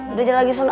udah jalan lagi sonda